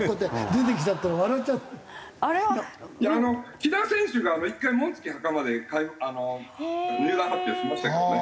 木田選手が１回紋付袴で入団発表しましたけどね。